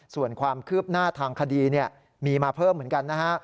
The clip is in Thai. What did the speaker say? ส่วนความคืบหน้าทางคดีมีมาเพิ่มเหมือนกันนะฮะ